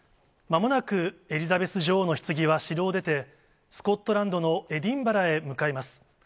まもなくエリザベス女王のひつぎは城を出て、スコットランドのエディンバラへ向かいます。